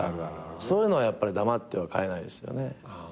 そういうのはやっぱり黙っては買えないですよね。